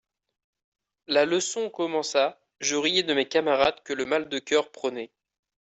La leçon commença : je riais de mes camarades que le mal de coeur prenait.